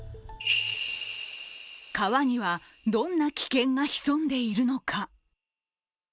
川には、どんな危険が潜んでいるのか。